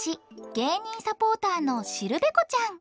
芸人サポーターのしるべこちゃん。